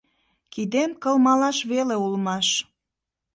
Кидем кылмалаш веле улмаш.